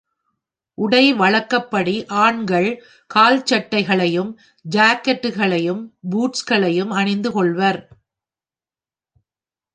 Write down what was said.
உடை வழக்கப்படி ஆண்கள் கால்சட்டைகளையும், ஜாக்கெட்டுகளையும், பூட்ஸ்களையும் அணிந்து கொள்வர்.